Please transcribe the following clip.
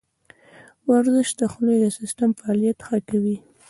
ورزش د خولې د سیستم فعالیت ښه کوي.